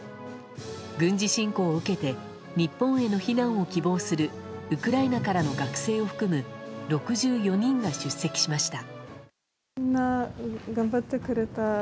軍事侵攻を受けて日本への避難を希望するウクライナからの学生を含む６４人が出席しました。